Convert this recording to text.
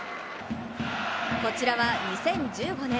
こちらは２０１５年。